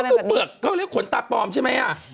ก็คือเปลือกเขาเรียกขนตาปลอมใช่ไหม